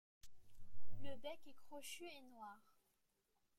Le bec est crochu et noir.